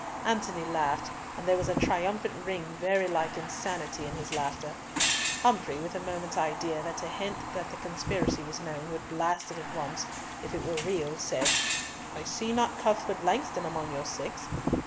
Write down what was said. Antony laughed, and there was a triumphant ring very like insanity in his laughter. Humfrey, with a moment's idea that to hint that the conspiracy was known would blast it at once, if it were real, said, "I see not Cuthbert Langston among your six.